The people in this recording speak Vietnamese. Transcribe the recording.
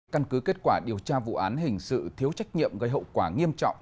căn cứ kết quả điều tra vụ án hình sự thiếu trách nhiệm gây hậu quả nghiêm trọng